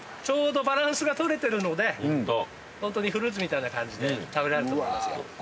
ちょうどバランスが取れてるのでホントにフルーツみたいな感じで食べられると思いますよ。